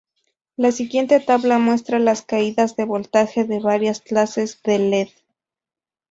La siguiente tabla muestra las caídas de voltaje de varias clases de led.